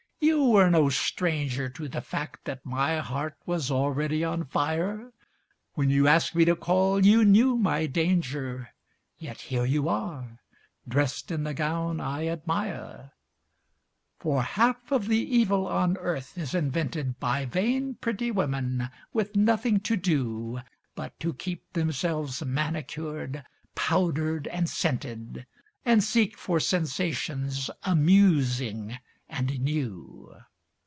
You were no stranger To the fact that my heart was already on fire. When you asked me to call you knew my danger, Yet here you are, dressed in the gown I admire; For half of the evil on earth is invented By vain, pretty women with nothing to do But to keep themselves manicured, powdered, and scented, And seek for sensations amusing and new.